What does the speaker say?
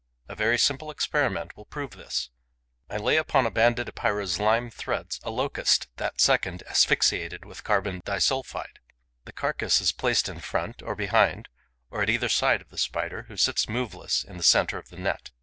A very simple experiment will prove this. I lay upon a Banded Epeira's lime threads a Locust that second asphyxiated with carbon disulphide. The carcass is placed in front, or behind, or at either side of the Spider, who sits moveless in the centre of the net.